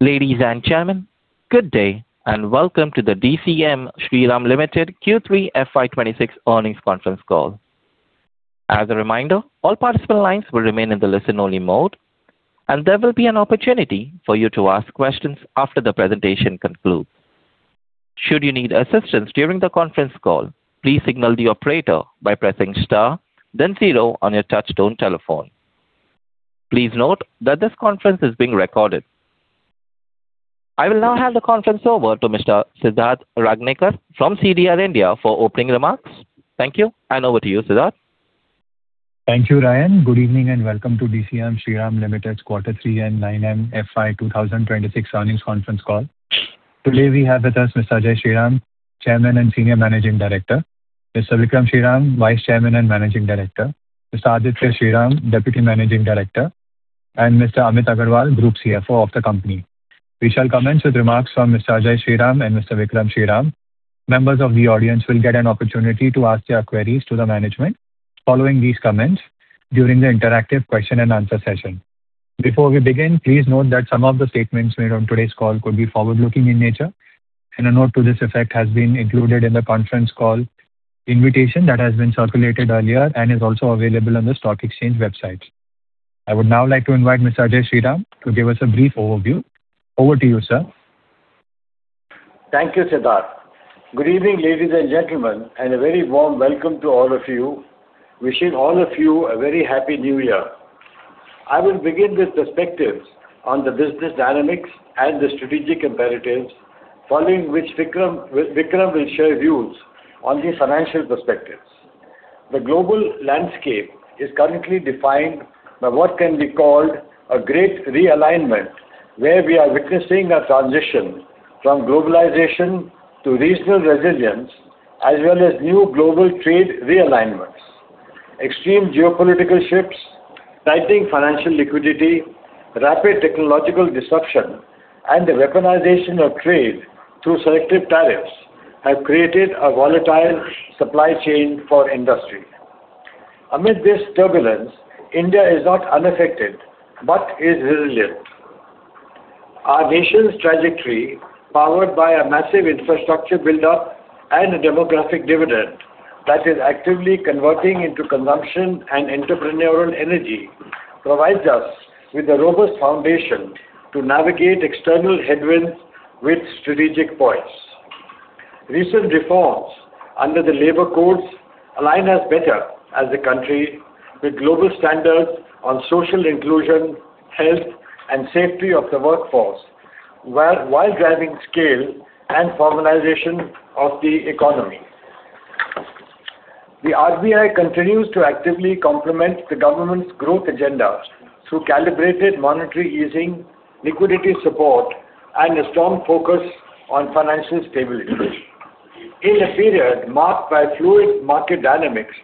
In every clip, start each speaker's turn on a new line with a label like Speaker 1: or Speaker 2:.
Speaker 1: Ladies and gentlemen, good day and welcome to the DCM Shriram Limited Q3 FY 2026 Earnings Conference Call. As a reminder, all participant lines will remain in the listen-only mode, and there will be an opportunity for you to ask questions after the presentation concludes. Should you need assistance during the conference call, please signal the operator by pressing star, then zero on your touch-tone telephone. Please note that this conference is being recorded. I will now hand the conference over to Mr. Siddharth Rangnekar from CDR India for opening remarks. Thank you, and over to you, Siddharth.
Speaker 2: Thank you, Ryan. Good evening and welcome to DCM Shriram Limited's Q3 and 9M FY 2026 Earnings Conference Call. Today we have with us Mr. Ajay Shriram, Chairman and Senior Managing Director, Mr. Vikram Shriram, Vice Chairman and Managing Director, Mr. Aditya Shriram, Deputy Managing Director, and Mr. Amit Agarwal, Group CFO of the company. We shall commence with remarks from Mr. Ajay Shriram and Mr. Vikram Shriram. Members of the audience will get an opportunity to ask their queries to the management following these comments during the interactive question-and-answer session. Before we begin, please note that some of the statements made on today's call could be forward-looking in nature, and a note to this effect has been included in the conference call invitation that has been circulated earlier and is also available on the stock exchange website. I would now like to invite Mr. Ajay Shriram to give us a brief overview. Over to you, sir.
Speaker 3: Thank you, Siddharth. Good evening, ladies and gentlemen, and a very warm welcome to all of you. Wishing all of you a very happy New Year. I will begin with perspectives on the business dynamics and the strategic imperatives, following which Vikram will share views on the financial perspectives. The global landscape is currently defined by what can be called a great realignment, where we are witnessing a transition from globalization to regional resilience, as well as new global trade realignments. Extreme geopolitical shifts, tightening financial liquidity, rapid technological disruption, and the weaponization of trade through selective tariffs have created a volatile supply chain for industry. Amid this turbulence, India is not unaffected but is resilient. Our nation's trajectory, powered by a massive infrastructure buildup and a demographic dividend that is actively converting into consumption and entrepreneurial energy, provides us with a robust foundation to navigate external headwinds with strategic poise. Recent reforms under the Labor Codes align us better as a country with global standards on social inclusion, health, and safety of the workforce, while driving scale and formalization of the economy. The RBI continues to actively complement the government's growth agenda through calibrated monetary easing, liquidity support, and a strong focus on financial stability. In a period marked by fluid market dynamics,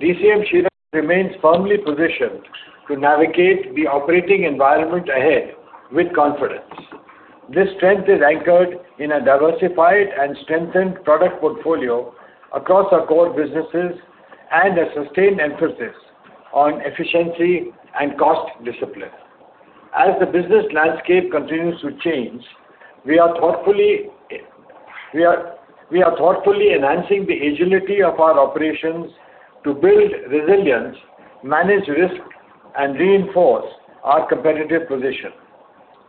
Speaker 3: DCM Shriram remains firmly positioned to navigate the operating environment ahead with confidence. This strength is anchored in a diversified and strengthened product portfolio across our core businesses and a sustained emphasis on efficiency and cost discipline. As the business landscape continues to change, we are thoughtfully enhancing the agility of our operations to build resilience, manage risk, and reinforce our competitive position.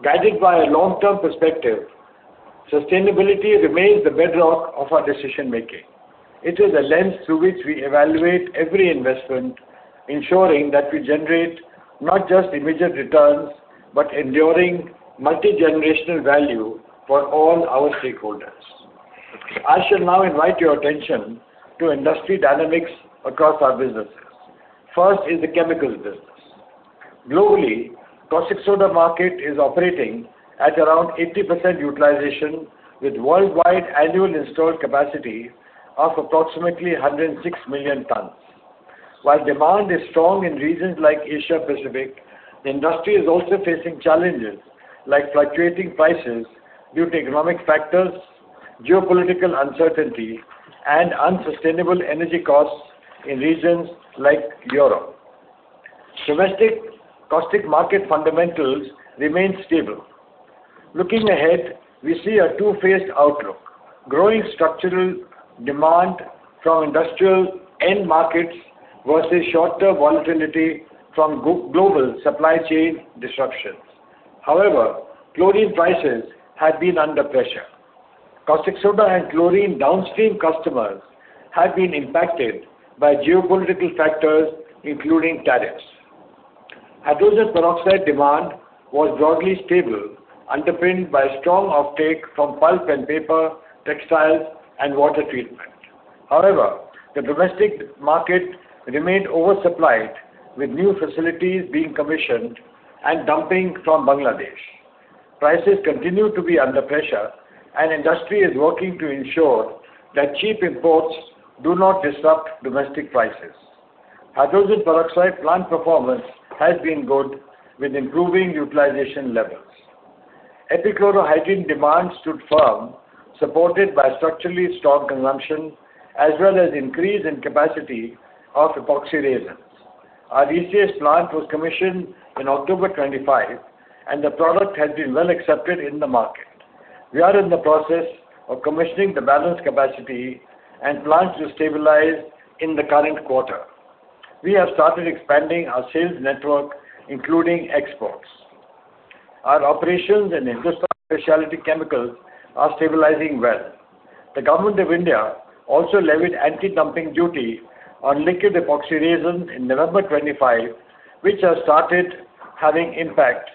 Speaker 3: Guided by a long-term perspective, sustainability remains the bedrock of our decision-making. It is a lens through which we evaluate every investment, ensuring that we generate not just immediate returns but enduring multi-generational value for all our stakeholders. I shall now invite your attention to industry dynamics across our businesses. First is the chemicals business. Globally, the caustic soda market is operating at around 80% utilization, with worldwide annual installed capacity of approximately 106 million tons. While demand is strong in regions like Asia-Pacific, the industry is also facing challenges like fluctuating prices due to economic factors, geopolitical uncertainty, and unsustainable energy costs in regions like Europe. Domestic caustic market fundamentals remain stable. Looking ahead, we see a two-phased outlook: growing structural demand from industrial end markets versus shorter volatility from global supply chain disruptions. However, chlorine prices have been under pressure. Caustic soda and chlorine downstream customers have been impacted by geopolitical factors, including tariffs. Hydrogen peroxide demand was broadly stable, underpinned by strong offtake from pulp and paper, textiles, and water treatment. However, the domestic market remained oversupplied, with new facilities being commissioned and dumping from Bangladesh. Prices continue to be under pressure, and industry is working to ensure that cheap imports do not disrupt domestic prices. Hydrogen peroxide plant performance has been good, with improving utilization levels. Epichlorohydrin demand stood firm, supported by structurally strong consumption as well as increase in capacity of epoxy resins. Our ECH plant was commissioned in October 2025, and the product has been well accepted in the market. We are in the process of commissioning the balanced capacity and plans to stabilize in the current quarter. We have started expanding our sales network, including exports. Our operations in Hindustan Speciality Chemicals are stabilizing well. The Government of India also levied anti-dumping duty on liquid epoxy resin in November 2025, which has started having impact,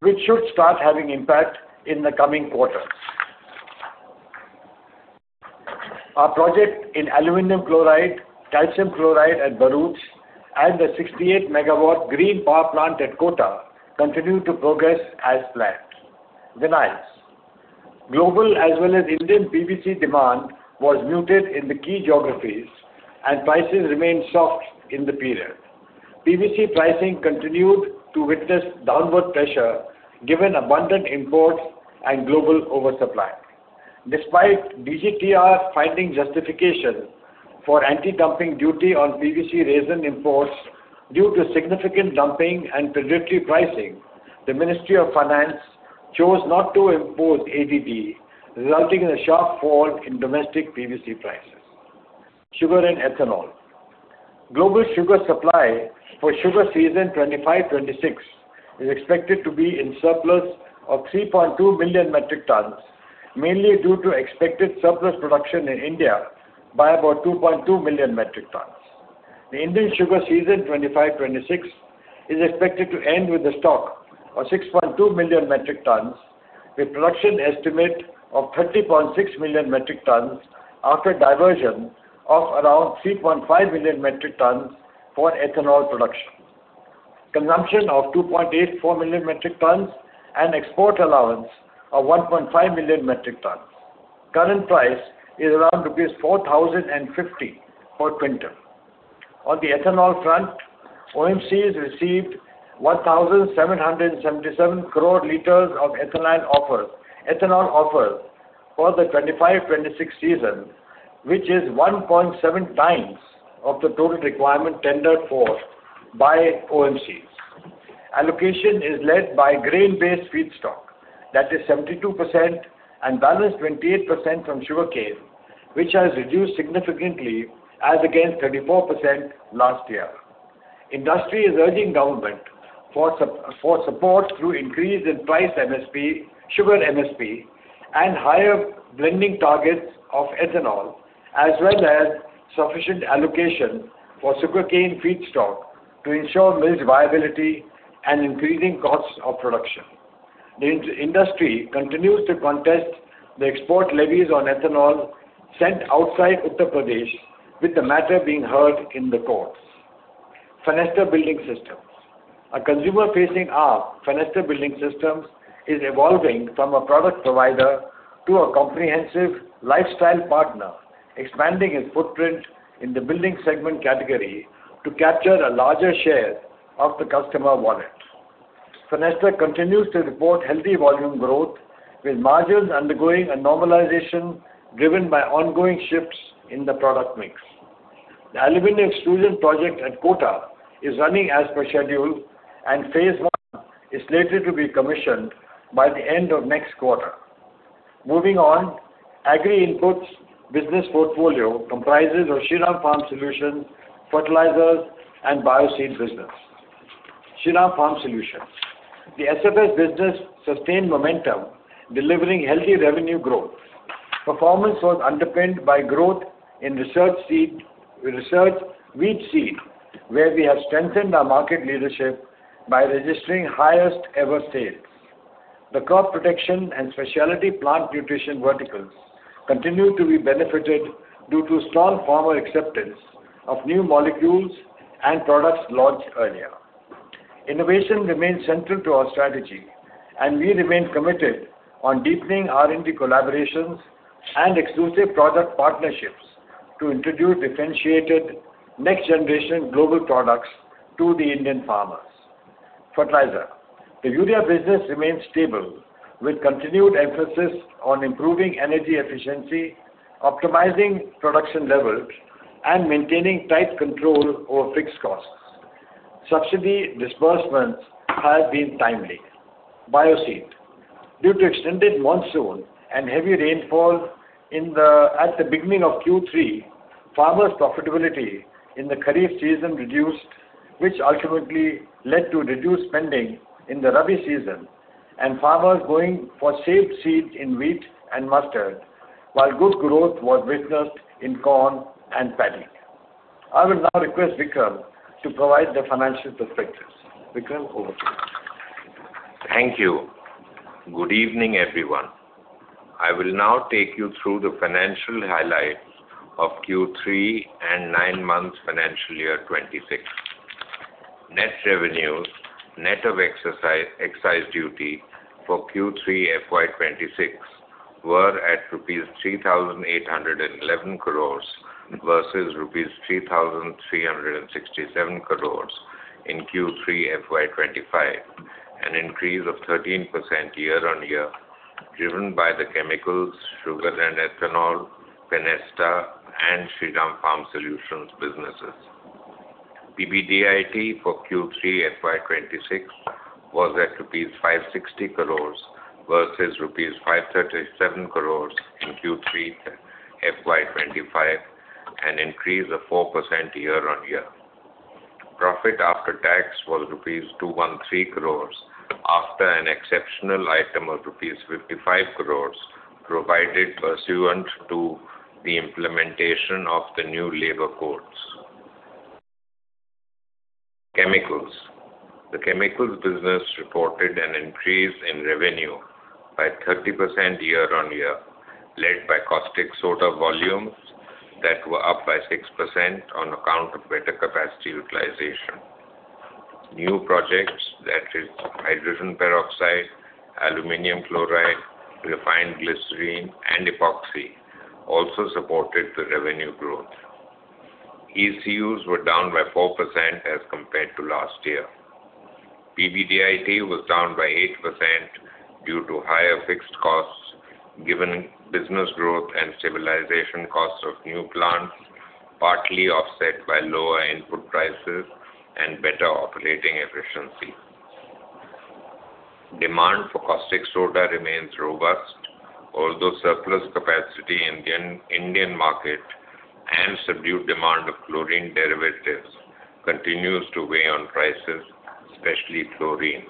Speaker 3: which should start having impact in the coming quarters. Our project in aluminum chloride, calcium chloride at Bharuch, and the 68-megawatt green power plant at Kota continue to progress as planned. Vinyls, global as well as Indian PVC demand was muted in the key geographies, and prices remained soft in the period. PVC pricing continued to witness downward pressure given abundant imports and global oversupply. Despite DGTR finding justification for anti-dumping duty on PVC resin imports due to significant dumping and predatory pricing, the Ministry of Finance chose not to impose ADD, resulting in a sharp fall in domestic PVC prices. Sugar and ethanol: global sugar supply for sugar season 2025-2026 is expected to be in surplus of 3.2 million metric tons, mainly due to expected surplus production in India by about 2.2 million metric tons. The Indian sugar season 2025-2026 is expected to end with the stock of 6.2 million metric tons, with production estimate of 30.6 million metric tons after diversion of around 3.5 million metric tons for ethanol production, consumption of 2.84 million metric tons, and export allowance of 1.5 million metric tons. Current price is around rupees 4,050 for quintal. On the ethanol front, OMCs received 1,777 crore liters of ethanol offers for the 2025-2026 season, which is 1.7 times of the total requirement tendered for by OMCs. Allocation is led by grain-based feedstock, that is 72%, and balanced 28% from sugarcane, which has reduced significantly, as against 34% last year. Industry is urging government for support through increase in price MSP, sugar MSP, and higher blending targets of ethanol, as well as sufficient allocation for sugarcane feedstock to ensure mills' viability and increasing costs of production. The industry continues to contest the export levies on ethanol sent outside Uttar Pradesh, with the matter being heard in the courts. Fenesta Building Systems: a consumer-facing arm of Fenesta Building Systems is evolving from a product provider to a comprehensive lifestyle partner, expanding its footprint in the building segment category to capture a larger share of the customer wallet. Fenesta continues to report healthy volume growth, with margins undergoing a normalization driven by ongoing shifts in the product mix. The aluminum extrusion project at Kota is running as per schedule, and phase one is slated to be commissioned by the end of next quarter. Moving on, Agri Inputs business portfolio comprises of Shriram Farm Solutions, fertilizers, and Bioseed business. Shriram Farm Solutions: the SFS business sustained momentum, delivering healthy revenue growth. Performance was underpinned by growth in research wheat seed, where we have strengthened our market leadership by registering highest-ever sales. The crop protection and specialty plant nutrition verticals continue to be benefited due to strong farmer acceptance of new molecules and products launched earlier. Innovation remains central to our strategy, and we remain committed on deepening R&D collaborations and exclusive product partnerships to introduce differentiated next-generation global products to the Indian farmers. Fertilizer: The urea business remains stable, with continued emphasis on improving energy efficiency, optimizing production levels, and maintaining tight control over fixed costs. Subsidy disbursements have been timely. Bioseed: Due to extended monsoon and heavy rainfall at the beginning of Q3, farmers' profitability in the Kharif season reduced, which ultimately led to reduced spending in the Rabi season, and farmers going for saved seed in wheat and mustard, while good growth was witnessed in corn and paddy. I will now request Vikram to provide the financial perspectives. Vikram, over to you.
Speaker 4: Thank you. Good evening, everyone. I will now take you through the financial highlights of Q3 and nine-month financial year 2026. Net revenues, net of excise duty for Q3 FY 2026, were at rupees 3,811 crores versus rupees 3,367 crores in Q3 FY 2025, an increase of 13% year-on-year, driven by the chemicals, sugar, and ethanol Fenesta and Shriram Farm Solutions businesses. PBDIT for Q3 FY 2026 was at rupees 560 crores versus rupees 537 crores in Q3 FY 2025, an increase of 4% year-on-year. Profit after tax was rupees 213 crores after an exceptional item of rupees 55 crores provided pursuant to the implementation of the new labor codes. Chemicals: the chemicals business reported an increase in revenue by 30% year-on-year, led by caustic soda volumes that were up by 6% on account of better capacity utilization. New projects, that is, hydrogen peroxide, aluminum chloride, refined glycerine, and epoxy, also supported the revenue growth. ECUs were down by 4% as compared to last year. PBDIT was down by 8% due to higher fixed costs, given business growth and stabilization costs of new plants, partly offset by lower input prices and better operating efficiency. Demand for caustic soda remains robust, although surplus capacity in the Indian market and subdued demand of chlorine derivatives continues to weigh on prices, especially chlorine.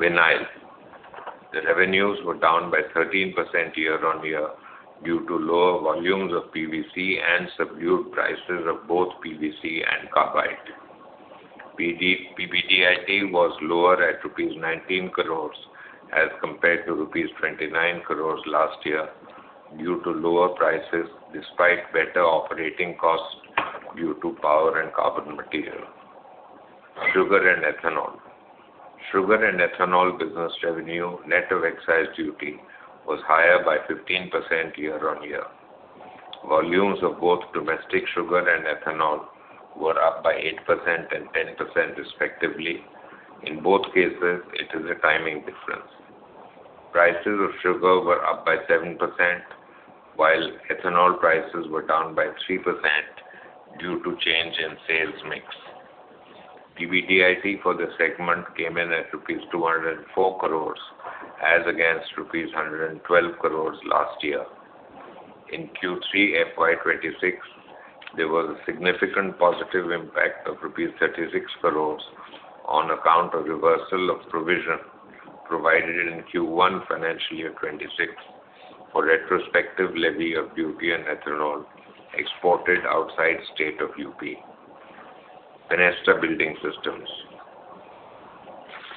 Speaker 4: Vinyl: the revenues were down by 13% year-on-year due to lower volumes of PVC and subdued prices of both PVC and carbide. PBDIT was lower at rupees 19 crores as compared to rupees 29 crores last year due to lower prices despite better operating costs due to power and carbon material. Sugar and ethanol: sugar and ethanol business revenue, net of excise duty, was higher by 15% year-on-year. Volumes of both domestic sugar and ethanol were up by 8% and 10% respectively. In both cases, it is a timing difference. Prices of sugar were up by 7%, while ethanol prices were down by 3% due to change in sales mix. PBDIT for the segment came in at rupees 204 crores, as against rupees 112 crores last year. In Q3 FY 2026, there was a significant positive impact of rupees 36 crores on account of reversal of provision provided in Q1 financial year '26 for retrospective levy of duty on ethanol exported outside state of UP. Fenesta Building Systems: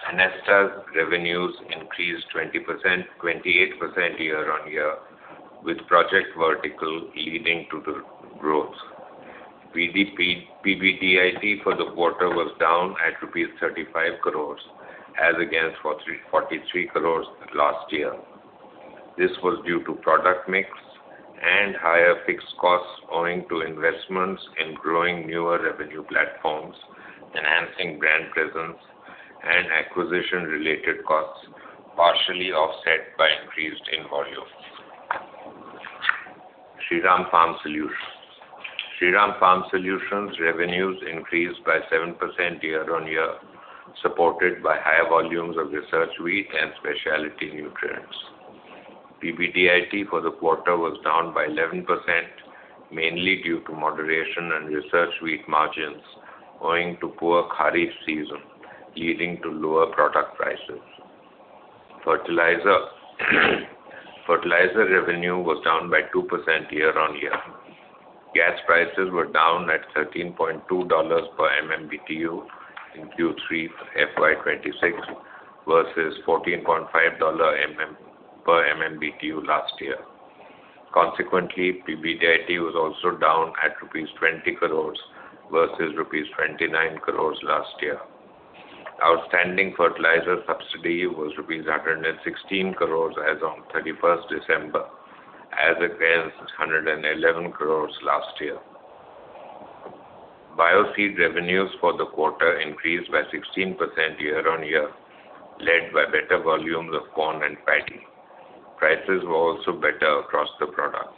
Speaker 4: Fenesta's revenues increased 20%, 28% year-on-year, with project vertical leading to the growth. PBDIT for the quarter was down at rupees 35 crores, as against 43 crores last year. This was due to product mix and higher fixed costs owing to investments in growing newer revenue platforms, enhancing brand presence, and acquisition-related costs, partially offset by increased in volume. Shriram Farm Solutions: Shriram Farm Solutions revenues increased by 7% year-on-year, supported by higher volumes of research wheat and specialty nutrients. PBDIT for the quarter was down by 11%, mainly due to moderation and research wheat margins owing to poor Kharif season, leading to lower product prices. Fertilizer: fertilizer revenue was down by 2% year-on-year. Gas prices were down at $13.20 per MMBTU in Q3 FY 2026 versus $14.50 per MMBTU last year. Consequently, PBDIT was also down at rupees 20 crores versus rupees 29 crores last year. Outstanding fertilizer subsidy was rupees 116 crores as of 31st December, as against 111 crores last year. Bioseed revenues for the quarter increased by 16% year-on-year, led by better volumes of corn and paddy. Prices were also better across the products.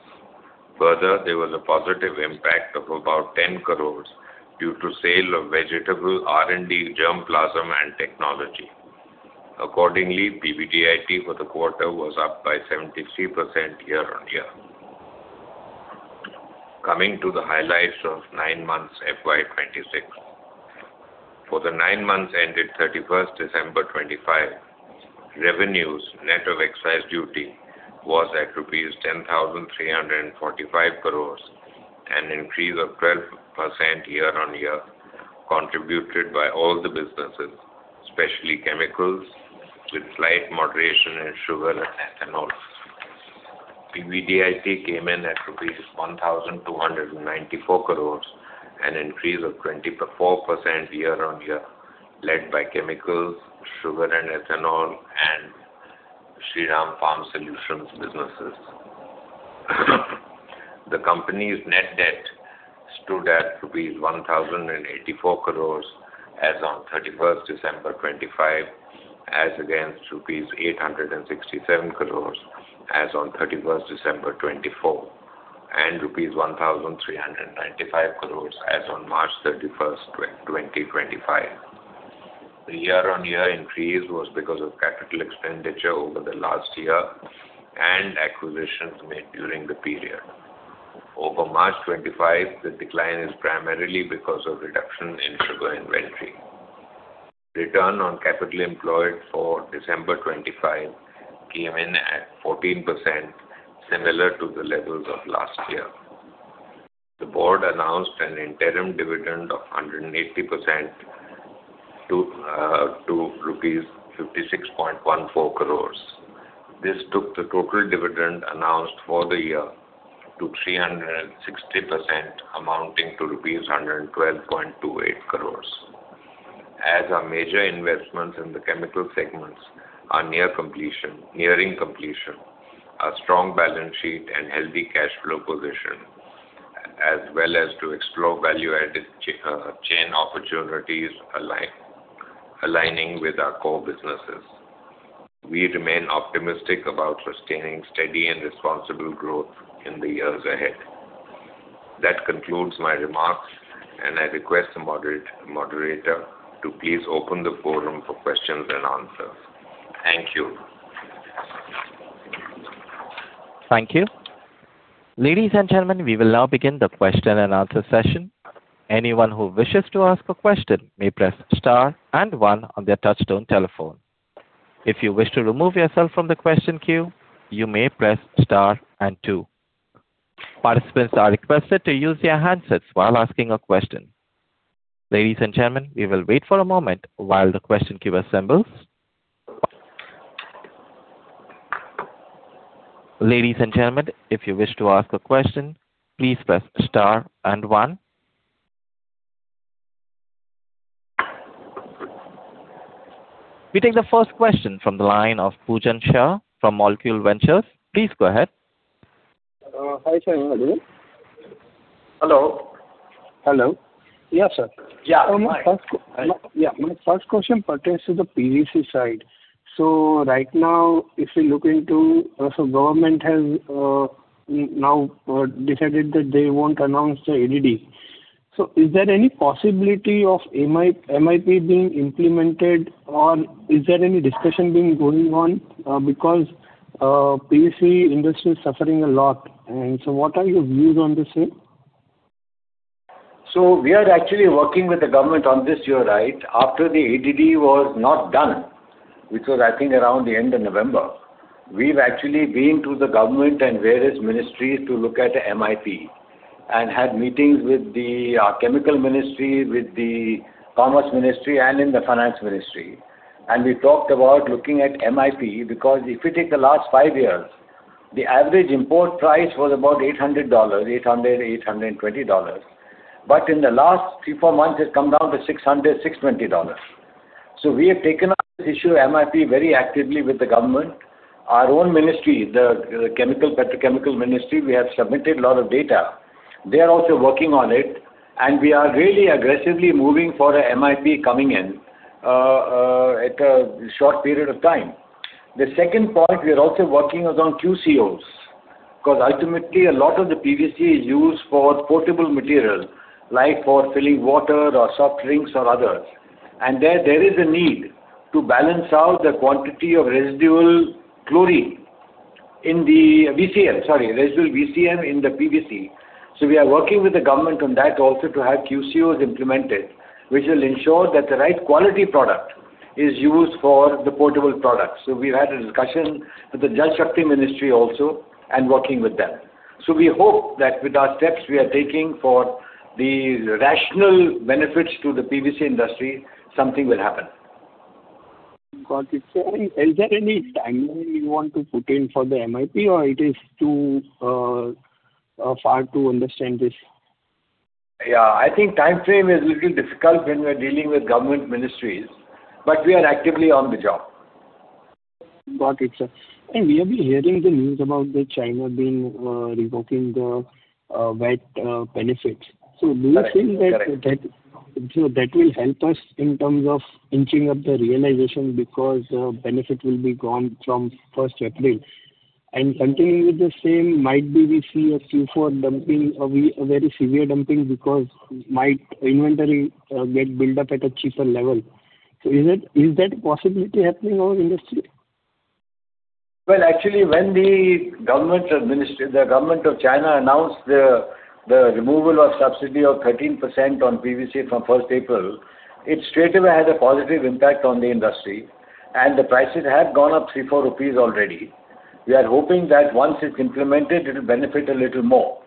Speaker 4: Further, there was a positive impact of about 10 crores due to sale of vegetable R&D germplasm and technology. Accordingly, PBDIT for the quarter was up by 73% year-on-year. Coming to the highlights of nine months FY 2026: for the nine months ended 31st December 2025, revenues, net of excise duty, was at rupees 10,345 crores, an increase of 12% year-on-year, contributed by all the businesses, especially chemicals, with slight moderation in sugar and ethanol. PBDIT came in at 1,294 crores, an increase of 24% year-on-year, led by chemicals, sugar, and ethanol, and Shriram Farm Solutions businesses. The company's net debt stood at INR 1,084 crores as on 31st December 2025, as against INR 867 crores as on 31st December 2024, and INR 1,395 crores as on March 31st, 2025. The year-on-year increase was because of capital expenditure over the last year and acquisitions made during the period. Over March 2025, the decline is primarily because of reduction in sugar inventory. Return on capital employed for December 2025 came in at 14%, similar to the levels of last year. The board announced an interim dividend of 180% to rupees 56.14 crores. This took the total dividend announced for the year to 360%, amounting to rupees 112.28 crores. As our major investments in the chemical segments are nearing completion, a strong balance sheet and healthy cash flow position, as well as to explore value-added chain opportunities aligning with our core businesses, we remain optimistic about sustaining steady and responsible growth in the years ahead. That concludes my remarks, and I request the moderator to please open the forum for questions and answers. Thank you.
Speaker 1: Thank you. Ladies and gentlemen, we will now begin the question and answer session. Anyone who wishes to ask a question may press star and one on their touch-tone telephone. If you wish to remove yourself from the question queue, you may press star and two. Participants are requested to use their handsets while asking a question. Ladies and gentlemen, we will wait for a moment while the question queue assembles. Ladies and gentlemen, if you wish to ask a question, please press star and one. We take the first question from the line of Pujan Shah from Molecule Ventures. Please go ahead.
Speaker 5: Hi, Shri. Hello.
Speaker 6: Hello.
Speaker 5: Yes, sir.
Speaker 6: Yeah.
Speaker 5: Yeah. My first question pertains to the PVC side. So right now, if you look into, so government has now decided that they won't announce the ADD. So is there any possibility of MIP being implemented, or is there any discussion going on? Because PVC industry is suffering a lot. And so what are your views on this?
Speaker 4: So we are actually working with the government on this, you're right. After the ADD was not done, which was, I think, around the end of November, we've actually been to the government and various ministries to look at MIP and had meetings with the Chemical Ministry, with the Commerce Ministry, and in the Finance Ministry. And we talked about looking at MIP because if you take the last five years, the average import price was about $800, $800, $820. But in the last three, four months, it's come down to $600, $620. So we have taken up this issue of MIP very actively with the government. Our own ministry, the Chemical Petrochemical Ministry, we have submitted a lot of data. They are also working on it, and we are really aggressively moving for MIP coming in at a short period of time. The second point we are also working on QCOs because ultimately, a lot of the PVC is used for potable material, like for filling water or soft drinks or others, and there is a need to balance out the quantity of residual chlorine in the VCM, sorry, residual VCM in the PVC, so we are working with the government on that also to have QCOs implemented, which will ensure that the right quality product is used for the potable products, so we've had a discussion with the Jal Shakti Ministry also and working with them, so we hope that with our steps we are taking for the national benefits to the PVC industry, something will happen.
Speaker 5: Got it. So is there any timeline you want to put in for the MIP, or it is too far to understand this?
Speaker 4: Yeah, I think timeframe is a little difficult when we're dealing with government ministries, but we are actively on the job.
Speaker 5: Got it, sir. We have been hearing the news about China revoking the VAT benefits. So do you think that that will help us in terms of inching up the realization because the benefit will be gone from 1st April? Continuing with the same, might be we see a Q4 dumping, a very severe dumping because might inventory get built up at a cheaper level. So is that possibility happening in our industry?
Speaker 4: Actually, when the government of China announced the removal of subsidy of 13% on PVC from 1st April, it straight away had a positive impact on the industry, and the prices have gone up 3-4 rupees already. We are hoping that once it's implemented, it will benefit a little more.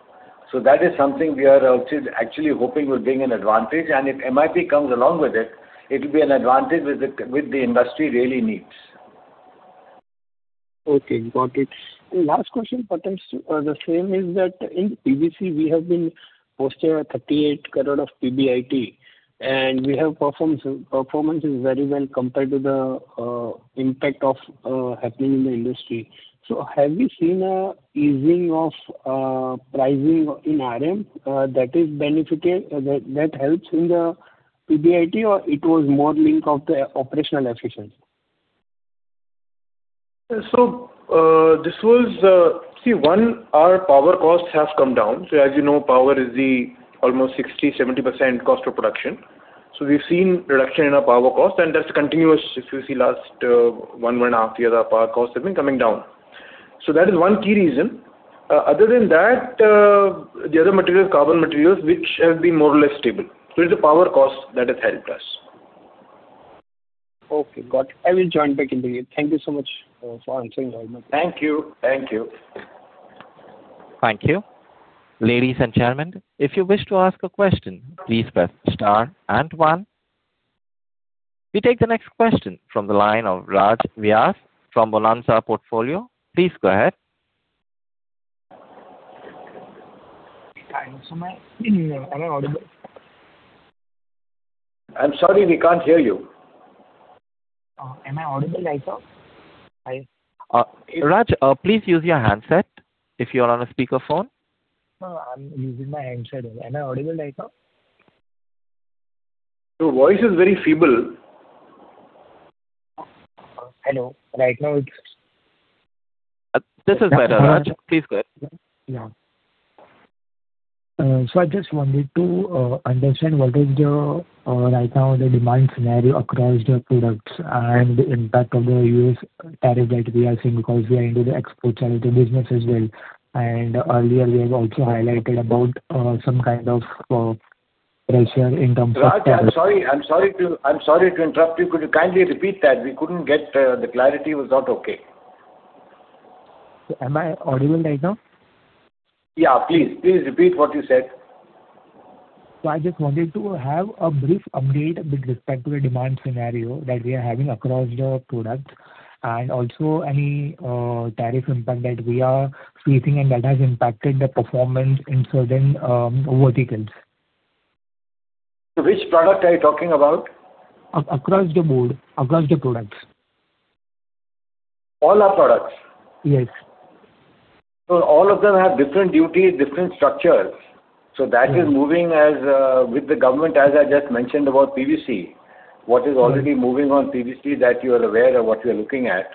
Speaker 4: That is something we are actually hoping will bring an advantage. If MIP comes along with it, it will be an advantage the industry really needs.
Speaker 5: Okay. Got it. Last question pertains to the same is that in PVC, we have been posted at 38 crore of PBDIT, and we have performance very well compared to the impact of happening in the industry. So have we seen an easing of pricing in RM that helps in the PBDIT, or it was more linked to the operational efficiency?
Speaker 6: So this was, see, one, our power costs have come down. So as you know, power is the almost 60%-70% cost of production. So we've seen reduction in our power cost, and that's continuous. If you see last one, one and a half years of power costs have been coming down. So that is one key reason. Other than that, the other materials, carbon materials, which have been more or less stable. So it's the power cost that has helped us.
Speaker 5: Okay. Got it. I will join back in the meeting. Thank you so much for answering all my questions.
Speaker 4: Thank you. Thank you.
Speaker 1: Thank you. Ladies and gentlemen, if you wish to ask a question, please press star and one. We take the next question from the line of Raj Vyas from Bonanza Portfolio. Please go ahead.
Speaker 6: I'm sorry, we can't hear you.
Speaker 7: Am I audible right now? Hi.
Speaker 1: Raj, please use your handset if you are on a speakerphone.
Speaker 7: I'm using my handset. Am I audible right now?
Speaker 6: Your voice is very feeble.
Speaker 7: Hello. Right now, it's.
Speaker 1: This is better, Raj. Please go ahead.
Speaker 6: Yeah.
Speaker 7: I just wanted to understand what is the right now the demand scenario across the products and the impact of the U.S. tariff that we are seeing because we are into the export chlor-alkali business as well. Earlier, we have also highlighted about some kind of pressure in terms of tariffs.
Speaker 4: I'm sorry to interrupt you. Could you kindly repeat that? We couldn't get it, the clarity was not okay.
Speaker 7: Am I audible right now?
Speaker 4: Yeah, please. Please repeat what you said.
Speaker 7: So I just wanted to have a brief update with respect to the demand scenario that we are having across the product and also any tariff impact that we are facing and that has impacted the performance in certain verticals.
Speaker 4: So which product are you talking about?
Speaker 7: Across the board. Across the products.
Speaker 4: All our products?
Speaker 7: Yes.
Speaker 4: All of them have different duty, different structures. That is moving with the government, as I just mentioned about PVC, what is already moving on PVC that you are aware of what you are looking at.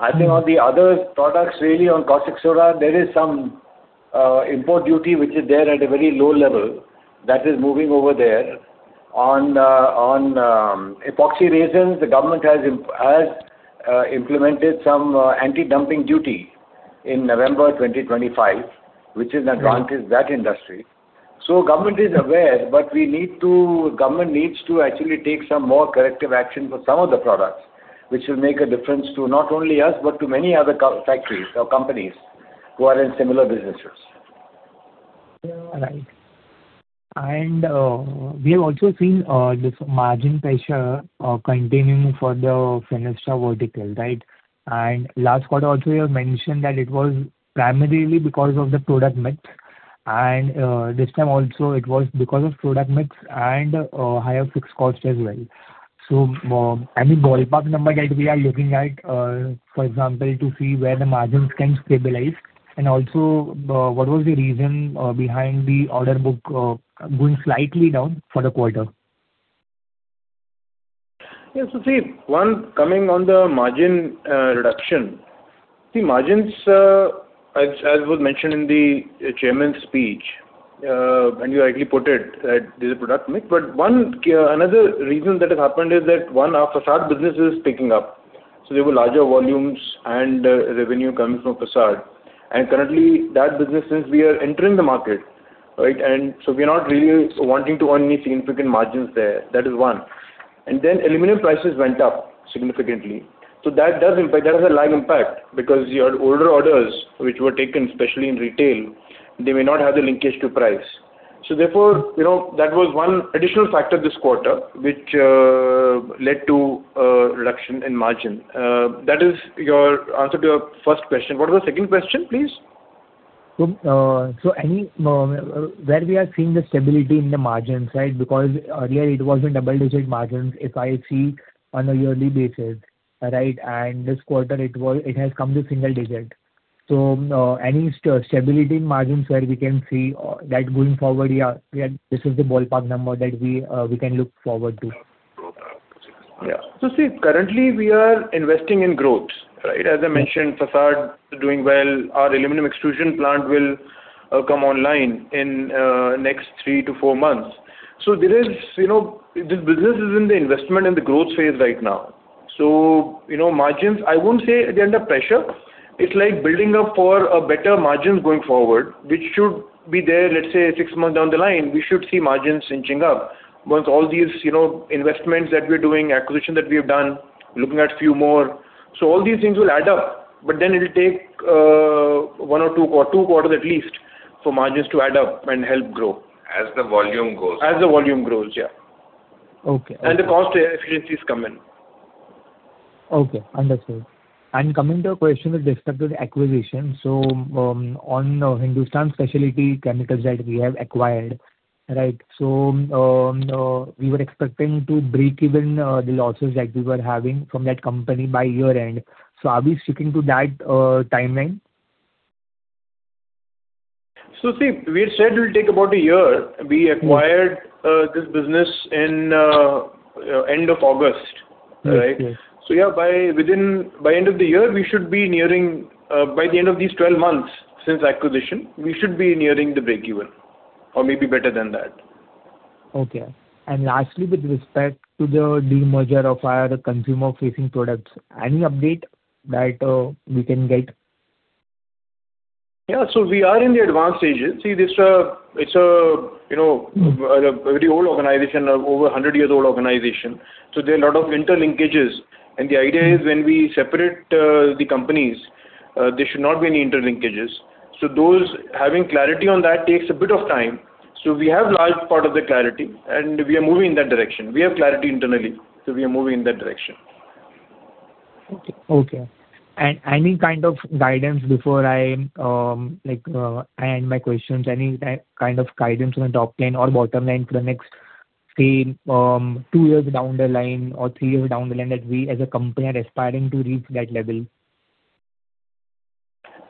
Speaker 4: I think on the other products, really on caustic soda, there is some import duty which is there at a very low level that is moving over there. On epoxy resins, the government has implemented some anti-dumping duty in November 2025, which is an advantage to that industry. Government is aware, but we need to government needs to actually take some more corrective action for some of the products, which will make a difference to not only us, but to many other factories or companies who are in similar businesses.
Speaker 7: All right. And we have also seen this margin pressure continuing for the Fenesta vertical, right? And last quarter, also, you have mentioned that it was primarily because of the product mix. And this time also, it was because of product mix and higher fixed cost as well. So any ballpark number that we are looking at, for example, to see where the margins can stabilize and also what was the reason behind the order book going slightly down for the quarter?
Speaker 6: Yeah. So see, one, coming on the margin reduction, see, margins, as was mentioned in the chairman's speech, and you rightly put it that this is a product mix. But another reason that has happened is that one, our facade business is picking up. So there were larger volumes and revenue coming from facade. And currently, that business, since we are entering the market, right, and so we are not really wanting to earn any significant margins there. That is one. And then aluminum prices went up significantly. So that has a lag impact because your older orders, which were taken, especially in retail, they may not have the linkage to price. So therefore, that was one additional factor this quarter, which led to a reduction in margin. That is your answer to your first question. What was the second question, please?
Speaker 7: So where we are seeing the stability in the margins, right, because earlier, it was in double-digit margins if I see on a yearly basis, right? And this quarter, it has come to single digit. So any stability in margins where we can see that going forward, yeah, this is the ballpark number that we can look forward to.
Speaker 6: Yeah. So see, currently, we are investing in growth, right? As I mentioned, facade doing well. Our aluminum extrusion plant will come online in the next three to four months. So this business is in the investment and the growth phase right now. So margins, I wouldn't say they're under pressure. It's like building up for better margins going forward, which should be there, let's say, six months down the line. We should see margins inching up once all these investments that we're doing, acquisition that we have done, looking at a few more. So all these things will add up, but then it'll take one or two quarters at least for margins to add up and help grow. As the volume grows. As the volume grows, yeah, and the cost efficiencies come in.
Speaker 7: Okay. Understood. And coming to a question with respect to the acquisition, so on Hindustan Speciality Chemicals that we have acquired, right, so we were expecting to break even the losses that we were having from that company by year-end. So are we sticking to that timeline?
Speaker 6: So see, we said we'll take about a year. We acquired this business in end of August, right? So yeah, by end of the year, we should be nearing by the end of these 12 months since acquisition, we should be nearing the break even or maybe better than that.
Speaker 7: Okay. And lastly, with respect to the demerger of our consumer-facing products, any update that we can get?
Speaker 6: Yeah, so we are in the advanced stages. See, it's a very old organization, over 100 years old organization, so there are a lot of interlinkages and the idea is when we separate the companies, there should not be any interlinkages, so having clarity on that takes a bit of time, so we have a large part of the clarity, and we are moving in that direction. We have clarity internally, so we are moving in that direction.
Speaker 7: Okay. And any kind of guidance before I end my questions, any kind of guidance on the top line or bottom line for the next, say, two years down the line or three years down the line that we as a company are aspiring to reach that level?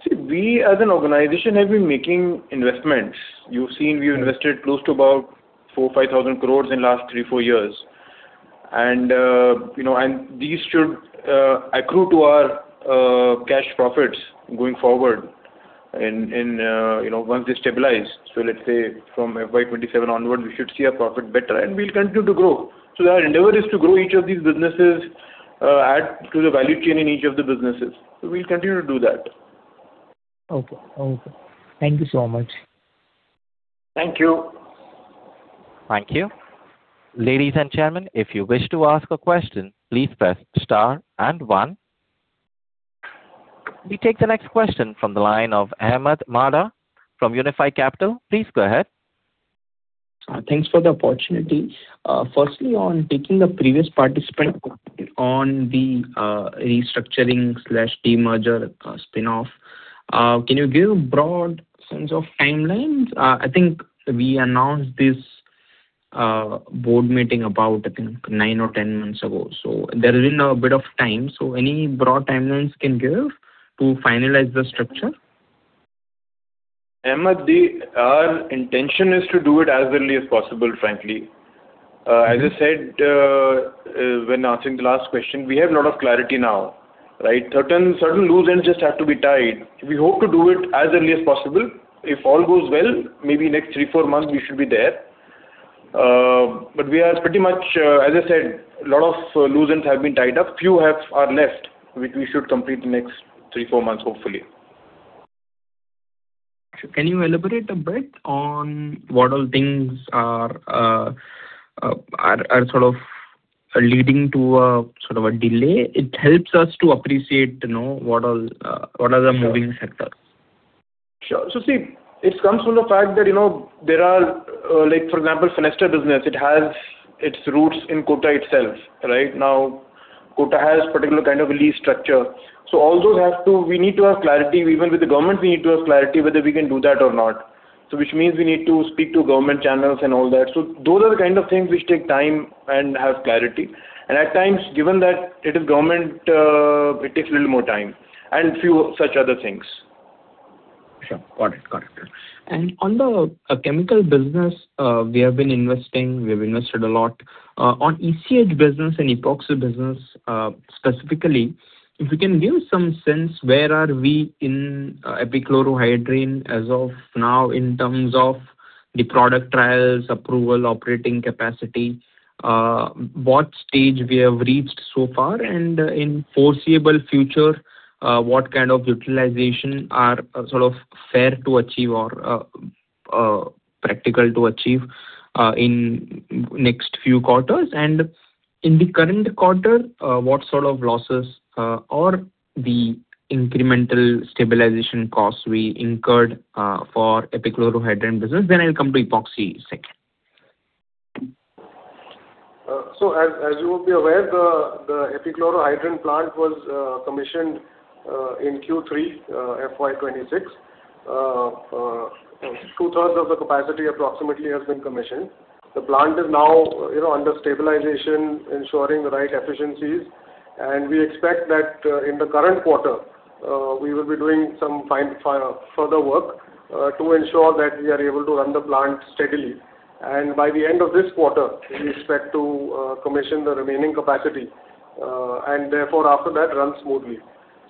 Speaker 6: See, we as an organization have been making investments. You've seen we've invested close to about four-five thousand crores in the last three-four years. And these should accrue to our cash profits going forward once they stabilize. So let's say from FY 2027 onward, we should see our profit better, and we'll continue to grow. So our endeavor is to grow each of these businesses to the value chain in each of the businesses. So we'll continue to do that.
Speaker 7: Okay. Okay. Thank you so much.
Speaker 4: Thank you.
Speaker 1: Thank you. Ladies and gentlemen, if you wish to ask a question, please press star and one. We take the next question from the line of Ahmed Madha from Unifi Capital. Please go ahead.
Speaker 8: Thanks for the opportunity. Firstly, on taking the previous participant on the restructuring/demerger spinoff, can you give a broad sense of timelines? I think we announced this board meeting about, I think, nine or 10 months ago. So there has been a bit of time. So any broad timelines can give to finalize the structure?
Speaker 6: Ahmed, our intention is to do it as early as possible, frankly. As I said when answering the last question, we have a lot of clarity now, right? Certain loose ends just have to be tied. We hope to do it as early as possible. If all goes well, maybe next three, four months, we should be there. But we are pretty much, as I said, a lot of loose ends have been tied up. Few are left which we should complete the next three, four months, hopefully.
Speaker 8: Can you elaborate a bit on what all things are sort of leading to a sort of a delay? It helps us to appreciate what are the moving factors.
Speaker 6: Sure. So see, it comes from the fact that there are, for example, Fenesta business, it has its roots in Kota itself, right? Now, Kota has a particular kind of legal structure. So all those have to we need to have clarity. Even with the government, we need to have clarity whether we can do that or not, which means we need to speak to government channels and all that. So those are the kind of things which take time and have clarity. And at times, given that it is government, it takes a little more time and a few such other things.
Speaker 8: Sure. Got it. Got it. And on the chemical business, we have been investing. We have invested a lot. On ECH business and epoxy business specifically, if you can give us some sense, where are we in epichlorohydrin as of now in terms of the product trials, approval, operating capacity? What stage we have reached so far? And in foreseeable future, what kind of utilization are sort of fair to achieve or practical to achieve in the next few quarters? And in the current quarter, what sort of losses or the incremental stabilization costs we incurred for epichlorohydrin business? Then I'll come to epoxy second.
Speaker 6: As you will be aware, the epichlorohydrin plant was commissioned in Q3, FY 2026. Two-thirds of the capacity approximately has been commissioned. The plant is now under stabilization, ensuring the right efficiencies. We expect that in the current quarter, we will be doing some further work to ensure that we are able to run the plant steadily. By the end of this quarter, we expect to commission the remaining capacity and therefore, after that, run smoothly.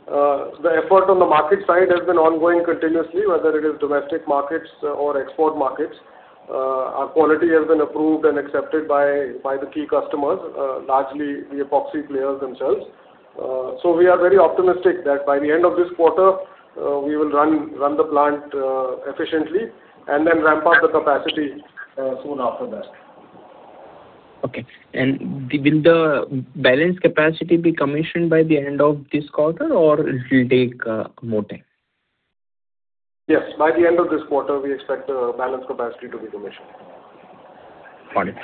Speaker 6: The effort on the market side has been ongoing continuously, whether it is domestic markets or export markets. Our quality has been approved and accepted by the key customers, largely the epoxy players themselves. We are very optimistic that by the end of this quarter, we will run the plant efficiently and then ramp up the capacity soon after that.
Speaker 8: Okay. And will the balanced capacity be commissioned by the end of this quarter, or it will take more time?
Speaker 6: Yes. By the end of this quarter, we expect the balanced capacity to be commissioned.
Speaker 8: Got it.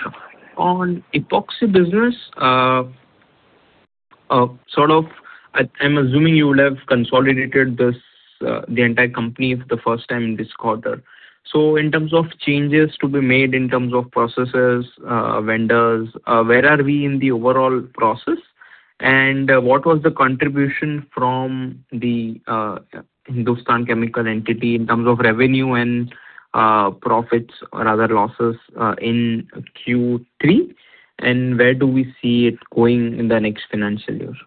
Speaker 8: On epoxy business, sort of, I'm assuming you would have consolidated the entire company for the first time in this quarter, so in terms of changes to be made in terms of processes, vendors, where are we in the overall process? and what was the contribution from Hindustan Speciality Chemicals entity in terms of revenue and profits or other losses in Q3? and where do we see it going in the next financial years?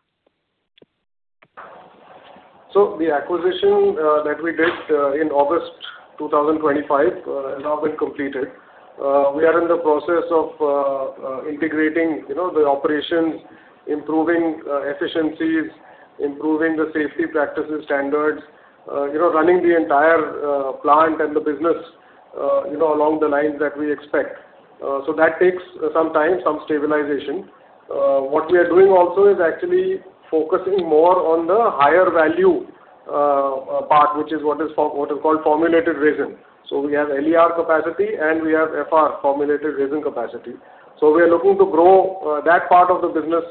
Speaker 6: So the acquisition that we did in August 2025 has now been completed. We are in the process of integrating the operations, improving efficiencies, improving the safety practices standards, running the entire plant and the business along the lines that we expect. So that takes some time, some stabilization. What we are doing also is actually focusing more on the higher value part, which is what is called formulated resin. So we have LER capacity, and we have FR formulated resin capacity. So we are looking to grow that part of the business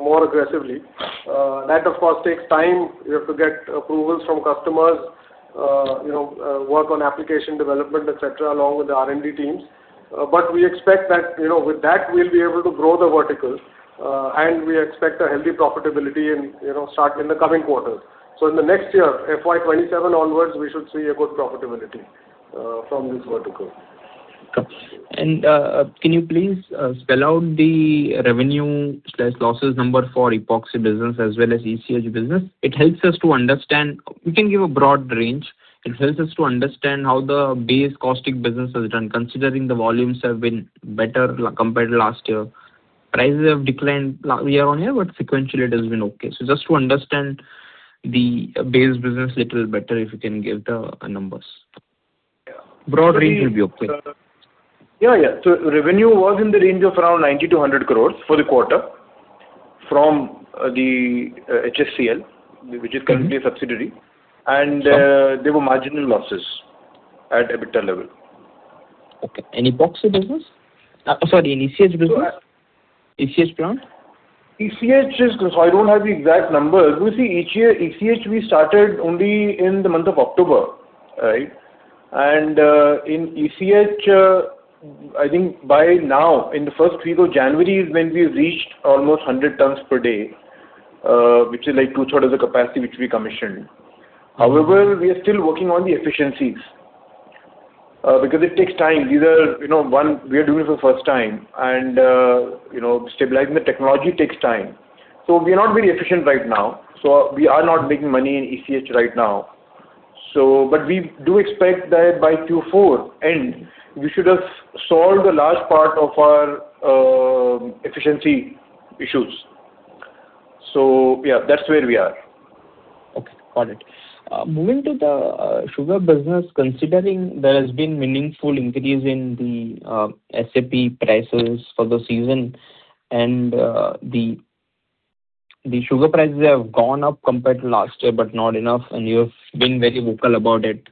Speaker 6: more aggressively. That, of course, takes time. You have to get approvals from customers, work on application development, etc., along with the R&D teams. But we expect that with that, we'll be able to grow the vertical, and we expect a healthy profitability in the coming quarters. So in the next year, FY 2027 onwards, we should see a good profitability from this vertical.
Speaker 8: Can you please spell out the revenue/losses number for epoxy business as well as ECH business? It helps us to understand we can give a broad range. It helps us to understand how the caustic business has done, considering the volumes have been better compared to last year. Prices have declined year-on-year, but sequentially, it has been okay. Just to understand the caustic business a little better, if you can give the numbers. Broad range will be okay.
Speaker 6: Yeah. Yeah. So revenue was in the range of around 90-100 crores for the quarter from the HSCL, which is currently a subsidiary. And there were marginal losses at EBITDA level.
Speaker 8: Okay. And epoxy business? Sorry, in ECH business? ECH plant?
Speaker 6: ECH is, so I don't have the exact numbers. We see each year, ECH, we started only in the month of October, right, and in ECH, I think by now, in the first week of January is when we've reached almost 100 tons per day, which is like two-thirds of the capacity which we commissioned. However, we are still working on the efficiencies because it takes time. These are one we are doing for the first time, and stabilizing the technology takes time, so we are not very efficient right now, so we are not making money in ECH right now, but we do expect that by Q4 end, we should have solved a large part of our efficiency issues, so yeah, that's where we are.
Speaker 8: Okay. Got it. Moving to the sugar business, considering there has been meaningful increase in the SAP prices for the season and the sugar prices have gone up compared to last year, but not enough, and you have been very vocal about it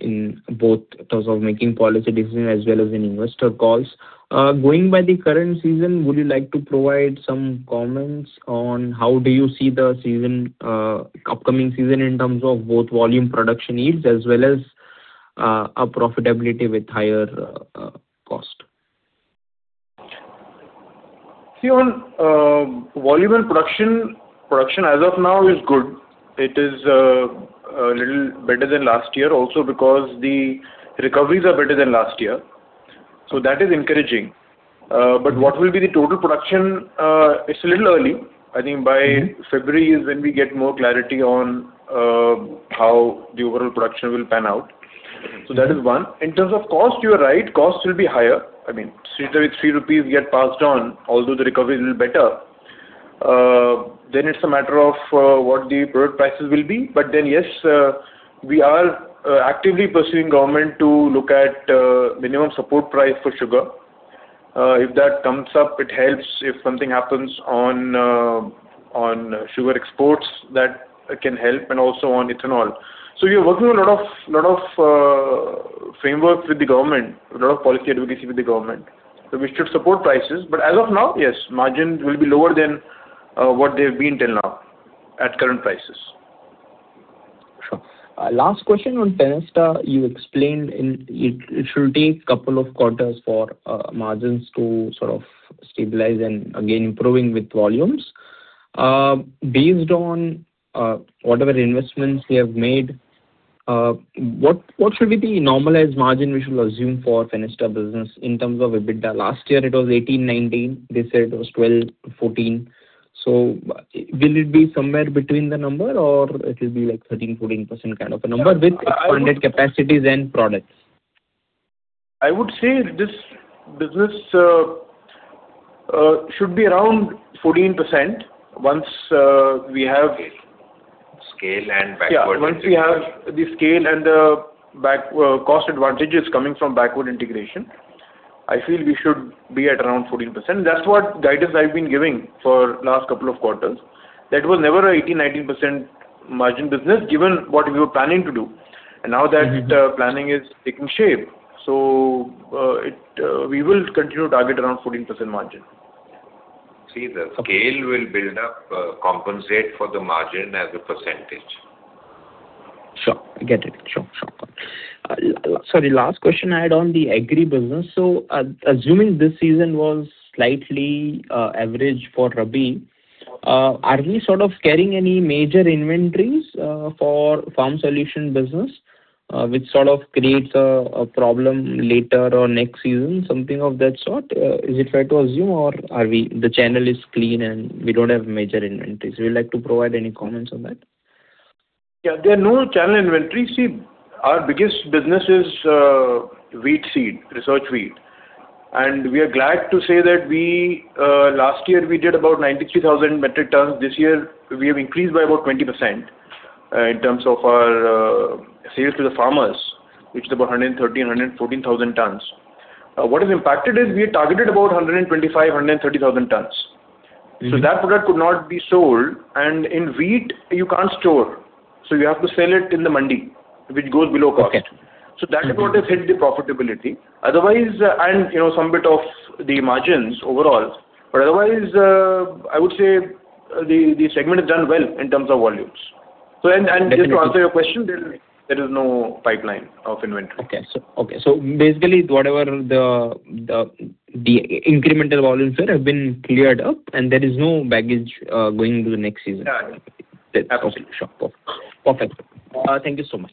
Speaker 8: in both terms of making policy decisions as well as in investor calls. Going by the current season, would you like to provide some comments on how do you see the upcoming season in terms of both volume production needs as well as profitability with higher cost?
Speaker 6: See, on volume and production, production as of now is good. It is a little better than last year also because the recoveries are better than last year. So that is encouraging. But what will be the total production? It's a little early. I think by February is when we get more clarity on how the overall production will pan out. So that is one. In terms of cost, you are right. Cost will be higher. I mean, straight away, 3 rupees get passed on, although the recovery is a little better. Then it's a matter of what the product prices will be. But then yes, we are actively pursuing government to look at minimum support price for sugar. If that comes up, it helps. If something happens on sugar exports, that can help, and also on ethanol. So we are working on a lot of frameworks with the government, a lot of policy advocacy with the government. So we should support prices. But as of now, yes, margins will be lower than what they have been till now at current prices.
Speaker 8: Sure. Last question on Fenesta. You explained it should take a couple of quarters for margins to sort of stabilize and again improving with volumes. Based on whatever investments we have made, what should be the normalized margin we should assume for Fenesta business in terms of EBITDA? Last year, it was 18%-19%. They said it was 12%-14%. So will it be somewhere between the number, or it will be like 13%-14% kind of a number with expanded capacities and products?
Speaker 6: I would say this business should be around 14% once we have scale and backward. Yeah. Once we have the scale and the cost advantages coming from backward integration, I feel we should be at around 14%. That's what guidance I've been giving for the last couple of quarters. That was never a 18%-19% margin business given what we were planning to do. And now that planning is taking shape, so we will continue to target around 14% margin.
Speaker 4: See, the scale will build up, compensate for the margin as a percentage.
Speaker 8: Sure. I get it. Sorry. Last question I had on the agri business. So assuming this season was slightly average for Rabi, are we sort of carrying any major inventories for farm solution business, which sort of creates a problem later or next season, something of that sort? Is it fair to assume, or the channel is clean and we don't have major inventories? Would you like to provide any comments on that?
Speaker 6: Yeah. There are no channel inventories. See, our biggest business is wheat seed, research wheat. And we are glad to say that last year, we did about 93,000 metric tons. This year, we have increased by about 20% in terms of our sales to the farmers, which is about 113-114 thousand tons. What has impacted is we targeted about 125-130 thousand tons. So that product could not be sold. And in wheat, you can't store. So you have to sell it in the mandi, which goes below cost. So that is what has hit the profitability. And some bit of the margins overall. But otherwise, I would say the segment has done well in terms of volumes. And just to answer your question, there is no pipeline of inventory.
Speaker 8: Okay. So basically, whatever the incremental volumes here have been cleared up, and there is no baggage going into the next season.
Speaker 6: Yeah. Exactly.
Speaker 8: Sure. Perfect. Thank you so much.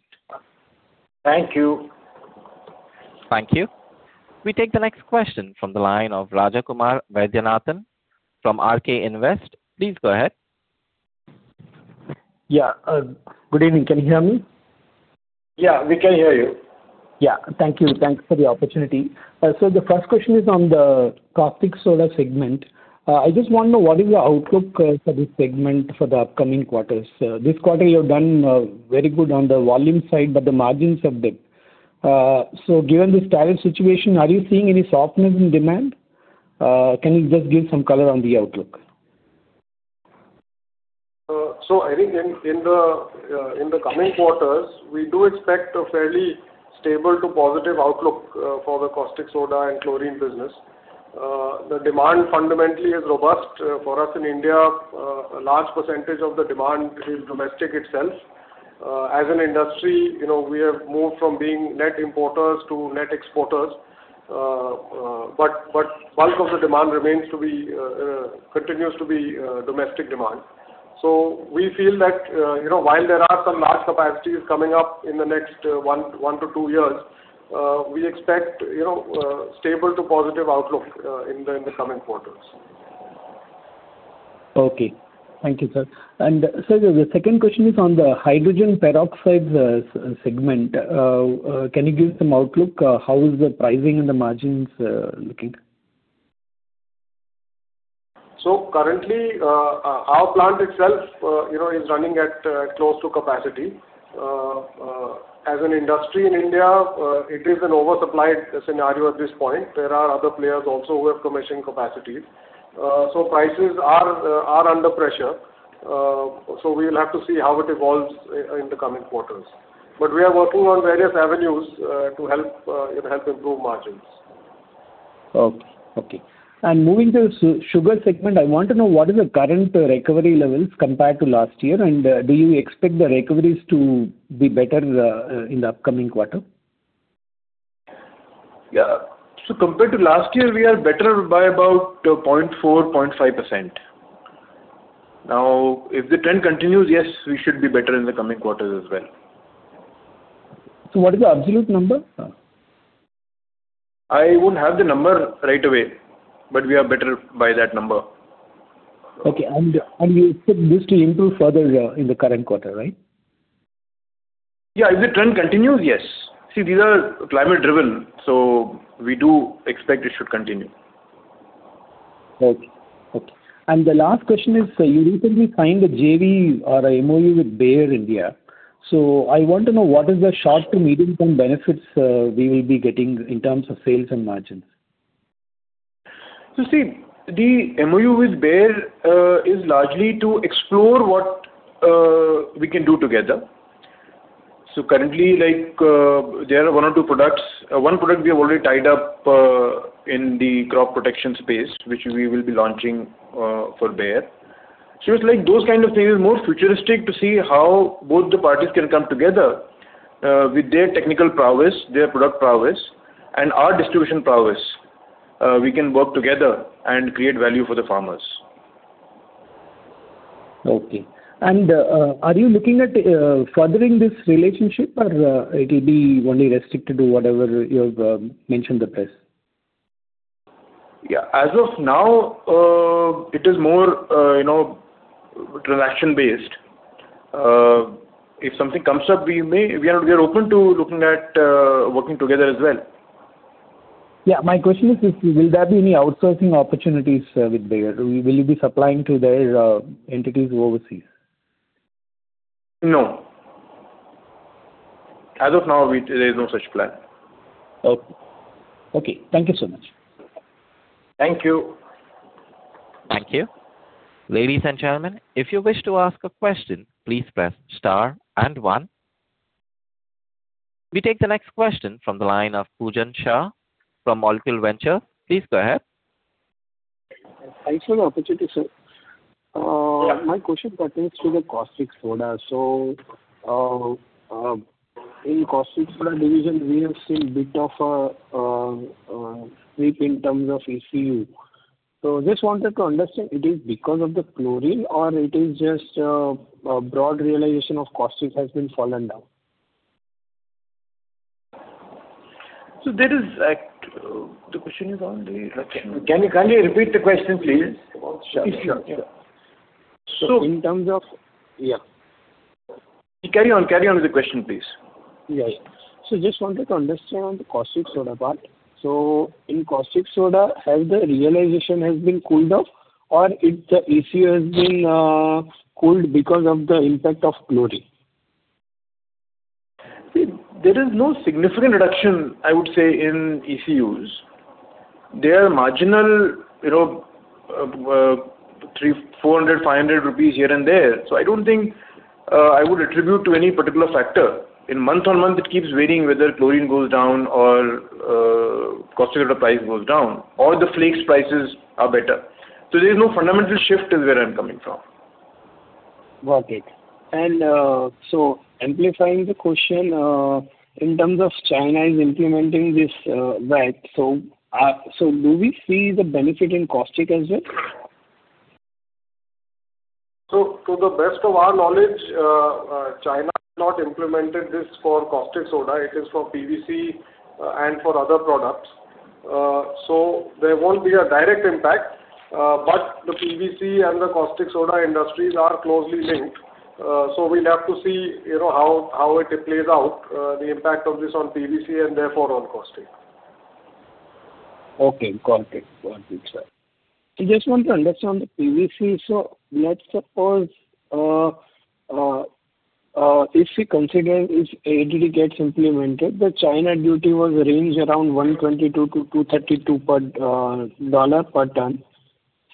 Speaker 6: Thank you.
Speaker 1: Thank you. We take the next question from the line of Rajkumar Vaidyanathan from RK Invest. Please go ahead.
Speaker 9: Yeah. Good evening. Can you hear me?
Speaker 6: Yeah. We can hear you.
Speaker 9: Yeah. Thank you. Thanks for the opportunity. So the first question is on the caustic soda segment. I just want to know what is the outlook for this segment for the upcoming quarters? This quarter, you have done very good on the volume side, but the margins have dipped. So given this current situation, are you seeing any softness in demand? Can you just give some color on the outlook?
Speaker 6: So I think in the coming quarters, we do expect a fairly stable to positive outlook for the caustic soda and chlorine business. The demand fundamentally is robust. For us in India, a large percentage of the demand is domestic itself. As an industry, we have moved from being net importers to net exporters. But bulk of the demand continues to be domestic demand. So we feel that while there are some large capacities coming up in the next one to two years, we expect stable to positive outlook in the coming quarters.
Speaker 9: Okay. Thank you, sir. And sir, the second question is on the hydrogen peroxide segment. Can you give some outlook? How is the pricing and the margins looking?
Speaker 6: So currently, our plant itself is running at close to capacity. As an industry in India, it is an oversupplied scenario at this point. There are other players also who have commissioned capacities. So prices are under pressure. So we will have to see how it evolves in the coming quarters. But we are working on various avenues to help improve margins.
Speaker 9: Okay. Moving to the sugar segment, I want to know what is the current recovery levels compared to last year, and do you expect the recoveries to be better in the upcoming quarter?
Speaker 6: Yeah. So compared to last year, we are better by about 0.4%-0.5%. Now, if the trend continues, yes, we should be better in the coming quarters as well.
Speaker 9: So what is the absolute number?
Speaker 6: I won't have the number right away, but we are better by that number.
Speaker 9: Okay. And you expect this to improve further in the current quarter, right?
Speaker 6: Yeah. If the trend continues, yes. See, these are climate-driven, so we do expect it should continue.
Speaker 9: Okay, and the last question is, you recently signed a JV or a MOU with Bayer India. So I want to know what is the short to medium-term benefits we will be getting in terms of sales and margins?
Speaker 6: So see, the MOU with Bayer is largely to explore what we can do together. So currently, there are one or two products. One product we have already tied up in the crop protection space, which we will be launching for Bayer. So it's like those kind of things are more futuristic to see how both the parties can come together with their technical prowess, their product prowess, and our distribution prowess. We can work together and create value for the farmers.
Speaker 9: Okay. And are you looking at furthering this relationship, or it will be only restricted to whatever you have mentioned the price?
Speaker 6: Yeah. As of now, it is more transaction-based. If something comes up, we are open to looking at working together as well.
Speaker 9: Yeah. My question is, will there be any outsourcing opportunities with Bayer? Will you be supplying to their entities overseas?
Speaker 6: No. As of now, there is no such plan.
Speaker 9: Okay. Okay. Thank you so much.
Speaker 6: Thank you.
Speaker 1: Thank you. Ladies and gentlemen, if you wish to ask a question, please press star and one. We take the next question from the line of Pujan Shah from Molecule Ventures. Please go ahead.
Speaker 5: Thanks for the opportunity, sir. My question pertains to the caustic soda. So in the caustic soda division, we have seen a bit of a sweep in terms of ECU. So I just wanted to understand, is it because of the chlorine, or is it just a broad realization of caustics has been fallen down? So that is the question is only.
Speaker 6: Can you repeat the question, please?
Speaker 5: Sure. So in terms of.
Speaker 6: Yeah. Carry on. Carry on with the question, please.
Speaker 5: Yes. So I just wanted to understand on the caustic soda part. So in caustic soda, has the realization been cooled off, or the ECU has been cooled because of the impact of chlorine?
Speaker 6: See, there is no significant reduction, I would say, in ECUs. They are marginal, 400, 500 rupees here and there. So I don't think I would attribute to any particular factor. Month on month, it keeps varying whether chlorine goes down or caustic soda price goes down, or the flakes prices are better. So there is no fundamental shift is where I'm coming from.
Speaker 5: Got it. And so amplifying the question, in terms of China is implementing this VAT, so do we see the benefit in caustic as well?
Speaker 6: So to the best of our knowledge, China has not implemented this for caustic soda. It is for PVC and for other products. So we'll have to see how it plays out, the impact of this on PVC and therefore on caustic.
Speaker 5: Okay. Got it. Got it, sir. So just want to understand the PVC. So let's suppose if we consider if ADD gets implemented, the China duty was ranged around 122-232 per tonne.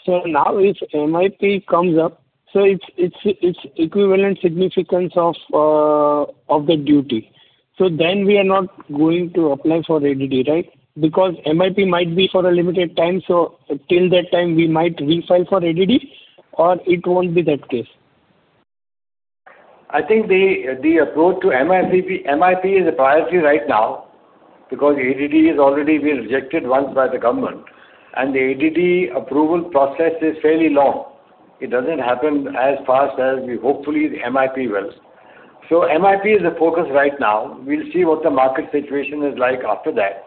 Speaker 5: So now if MIP comes up, so it's equivalent significance of the duty. So then we are not going to apply for ADD, right? Because MIP might be for a limited time, so till that time, we might refile for ADD, or it won't be that case?
Speaker 6: I think the approach to MIP is a priority right now because ADD has already been rejected once by the government, and the ADD approval process is fairly long. It doesn't happen as fast as we hopefully MIP will, so MIP is the focus right now. We'll see what the market situation is like after that,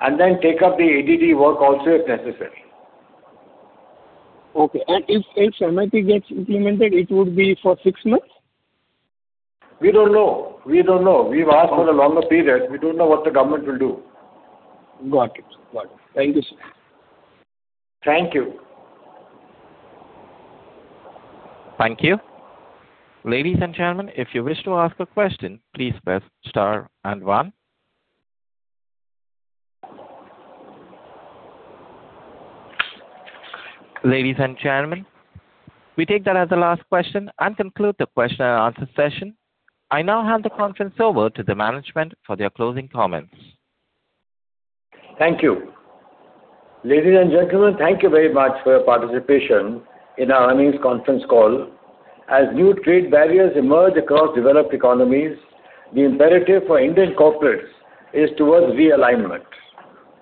Speaker 6: and then take up the ADD work also if necessary.
Speaker 5: Okay. And if MIP gets implemented, it would be for six months?
Speaker 6: We don't know. We don't know. We've asked for a longer period. We don't know what the government will do.
Speaker 5: Got it. Got it. Thank you, sir.
Speaker 6: Thank you.
Speaker 1: Thank you. Ladies and gentlemen, if you wish to ask a question, please press star and one. Ladies and gentlemen, we take that as the last question and conclude the question and answer session. I now hand the conference over to the management for their closing comments.
Speaker 6: Thank you. Ladies and gentlemen, thank you very much for your participation in our earnings conference call. As new trade barriers emerge across developed economies, the imperative for Indian corporates is towards realignment.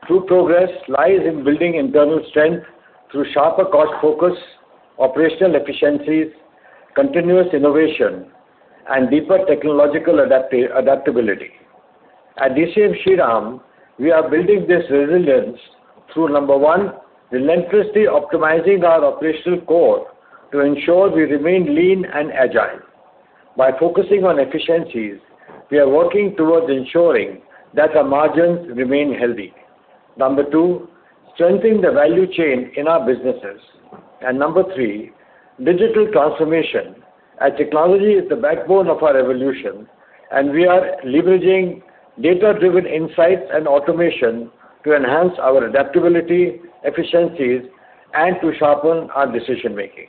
Speaker 6: True progress lies in building internal strength through sharper cost focus, operational efficiencies, continuous innovation, and deeper technological adaptability. At DCM Shriram, we are building this resilience through, number one, relentlessly optimizing our operational core to ensure we remain lean and agile. By focusing on efficiencies, we are working towards ensuring that our margins remain healthy. Number two, strengthening the value chain in our businesses. And number three, digital transformation. As technology is the backbone of our evolution, and we are leveraging data-driven insights and automation to enhance our adaptability, efficiencies, and to sharpen our decision-making.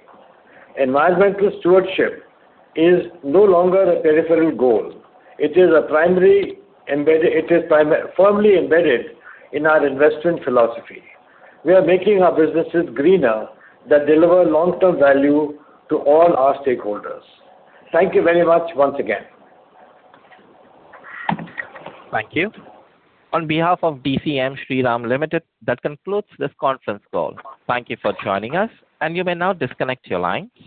Speaker 6: Environmental stewardship is no longer a peripheral goal. It is firmly embedded in our investment philosophy. We are making our businesses greener, that deliver long-term value to all our stakeholders. Thank you very much once again.
Speaker 1: Thank you. On behalf of DCM Shriram Limited, that concludes this conference call. Thank you for joining us, and you may now disconnect your line.